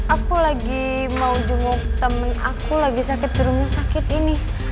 aku lagi mau jenguk temen aku lagi sakit di rumah sakit ini